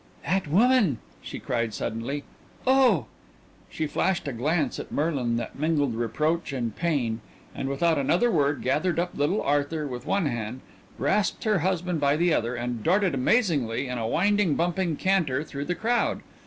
"That woman," she cried suddenly. "Oh!" She flashed a glance at Merlin that mingled reproach and pain, and without another word gathered up little Arthur with one hand, grasped her husband by the other, and darted amazingly in a winding, bumping canter through the crowd.